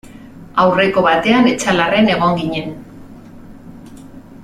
Aurreko batean Etxalarren egon ginen.